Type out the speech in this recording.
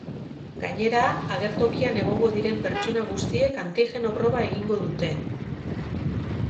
Gainera, agertokian egongo diren pertsona guztiek antigeno proba egingo dute.